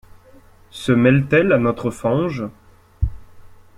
Se mêle-t-elle à notre fange?